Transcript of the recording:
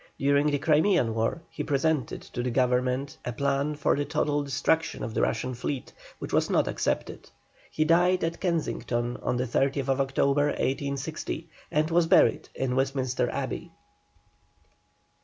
During the Crimean War he presented to Government a plan for the total destruction of the Russian fleet, which was not accepted. He died at Kensington on the 30th October, 1860, and was buried in Westminster Abbey.